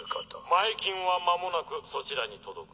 前金は間もなくそちらに届く。